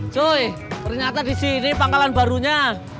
joy ternyata di sini pangkalan barunya